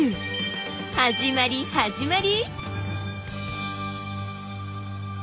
始まり始まり！